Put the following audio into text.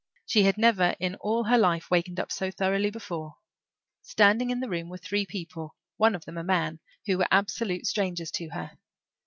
She had never in all her life wakened up so thoroughly before. Standing in the room were three people, one of them a man, who were absolute strangers to her.